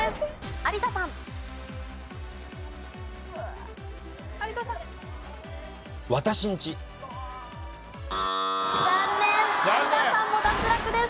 有田さんも脱落です。